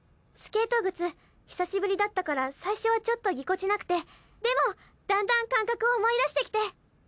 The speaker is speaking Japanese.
スケート靴久しぶりだったから最初はちょっとぎこちなくてでもだんだん感覚を思い出してきて。